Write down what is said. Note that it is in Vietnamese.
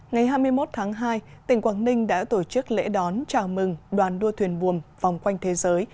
ngày hai mươi một tháng hai tỉnh quảng ninh đã tổ chức lễ đón chào mừng đoàn đua thuyền buồm vòng quanh thế giới